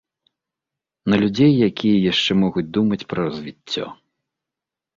На людзей, якія яшчэ могуць думаць пра развіццё.